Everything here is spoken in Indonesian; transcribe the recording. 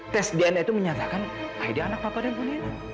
tes dna itu menyatakan aida anak papa dan muniana